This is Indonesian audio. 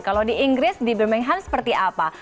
kalau di inggris di birmingham seperti apa